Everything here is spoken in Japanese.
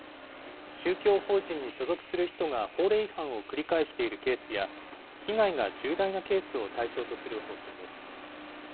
宗教法人に所属する人が法令違反を繰り返しているケースや、被害が重大なケースを対象とする方針です。